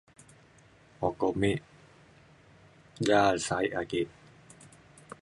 oko mik ja sae' ake.